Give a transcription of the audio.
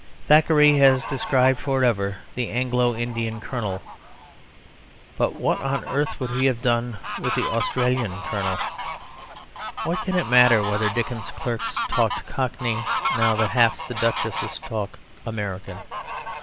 Thackeray has described for ever the Anglo Indian Colonel; but what on earth would he have done with an Australian Colonel? What can it matter whether Dickens's clerks talked cockney now that half the duchesses talk American?